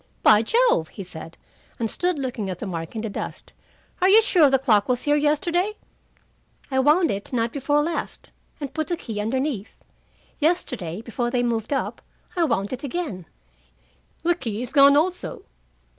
"By Jove!" he said, and stood looking at the mark in the dust. "Are you sure the clock was here yesterday?" "I wound it night before last, and put the key underneath. Yesterday, before they moved up, I wound it again." "The key is gone also.